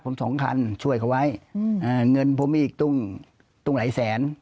ผมสองคันช่วยเขาไว้อืมอ่าเงินผมอีกตุ้งตุ้งหลายแสน